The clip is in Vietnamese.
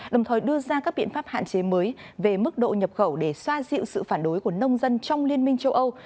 đồng thời đưa ra các biện pháp hạn chế mới về mức độ nhập khẩu để xoa dịu sự phản đối của nông dân trong liên minh châu âu